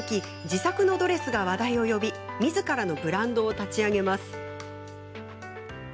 自作のドレスが話題を呼びみずからのブランドを立ち上げます。